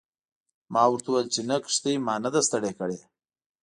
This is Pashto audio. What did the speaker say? ما ورته وویل چې نه کښتۍ ما نه ده ستړې کړې.